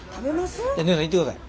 ねえさんいってください。